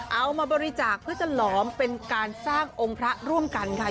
เอามาบริจาคเพื่อจะหลอมเป็นการสร้างองค์พระร่วมกันค่ะ